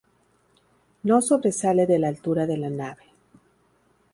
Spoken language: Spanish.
No sobresale de la altura de la nave.